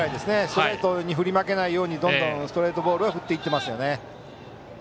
ストレートに振り負けないようにどんどんストレートボールを振っていっていますね。